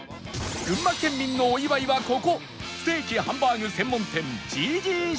群馬県民のお祝いはここステーキ・ハンバーグ専門店 ＧＧＣ